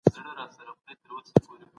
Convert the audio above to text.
کمپيوټر ريزومي جوړوي.